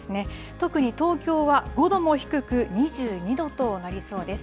特に東京は５度も低く、２２度となりそうです。